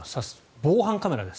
防犯カメラです。